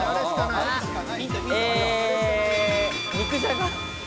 肉じゃが。